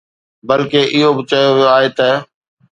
بلڪه اهو به چيو ويو آهي ته